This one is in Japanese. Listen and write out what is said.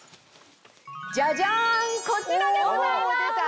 ジャジャンこちらでございます。